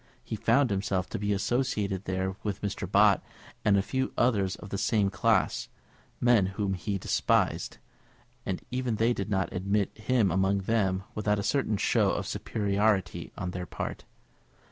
He found himself to be associated there with Mr. Bott, and a few others of the same class, men whom he despised; and even they did not admit him among them without a certain show of superiority on their part.